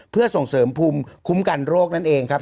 เพื่อส่งเสริมภูมิคุ้มกันโรคนั่นเองครับ